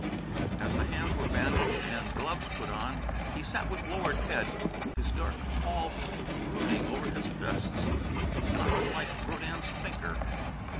As the hands were bandaged and gloves put on, he sat with lowered head, his dark poll brooding over his fists, not unlike Rodin's Thinker.